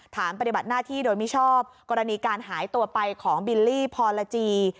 ฐานปฏิบัติหน้าที่โดยมิชอบกรณีการหายตัวไปของบิลลี่พรจี